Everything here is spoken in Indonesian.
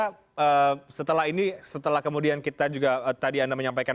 karena setelah ini setelah kemudian kita juga tadi anda menyampaikan